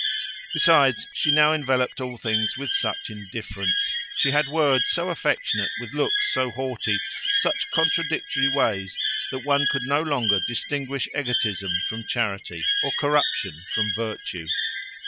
Besides, she now enveloped all things with such indifference, she had words so affectionate with looks so haughty, such contradictory ways, that one could no longer distinguish egotism from charity, or corruption from virtue.